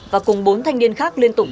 và cùng bốn thanh niên khác liên tục